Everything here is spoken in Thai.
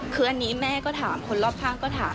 คืออันนี้แม่ก็ถามคนรอบข้างก็ถาม